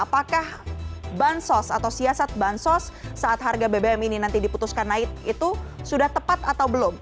apakah bansos atau siasat bansos saat harga bbm ini nanti diputuskan naik itu sudah tepat atau belum